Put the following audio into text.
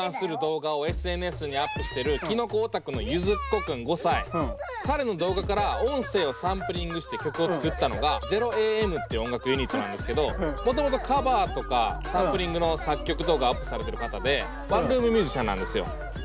これ彼の動画から音声をサンプリングして曲を作ったのが「０ａｍ」っていう音楽ユニットなんですけどもともとカバーとかサンプリングの作曲動画アップされてる方でワンルームミュージシャンなんですよ。